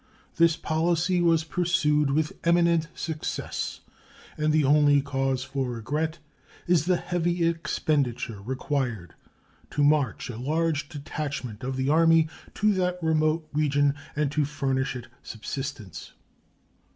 This policy was pursued with eminent success, and the only cause for regret is the heavy expenditure required to march a large detachment of the Army to that remote region and to furnish it subsistence.